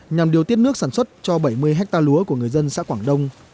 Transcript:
nhằm điều tiết nước sản xuất cho bảy mươi hectare lúa của người dân xã quảng đông